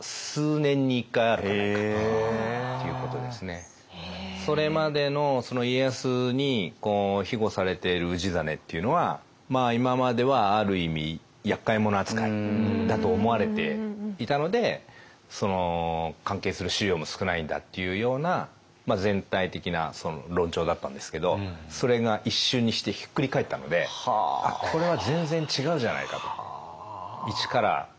これぐらいの発見はそれまでの家康にひごされている氏真っていうのは今まではある意味やっかい者扱いだと思われていたので関係する史料も少ないんだっていうような全体的な論調だったんですけどそれが一瞬にしてひっくり返ったのでこれは全然違うじゃないかと。